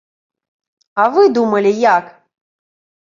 А вы думалі як?